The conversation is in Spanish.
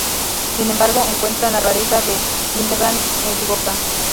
Sin embargo, encuentran la rareza de Hildebrand en su boca.